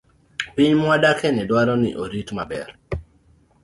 Piny mwadakieni dwaro ni orit maber.